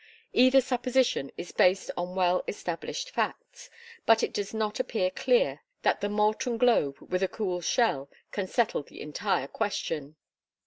Either supposition is based on well established facts; but it does not appear clear that the molten globe with a cool shell can settle the entire question.